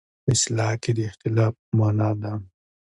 په اصطلاح کې د اختلاف په معنی ده.